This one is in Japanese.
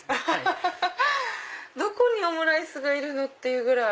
どこにオムライスがいるの？っていうぐらい。